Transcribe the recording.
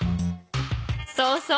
そうそう。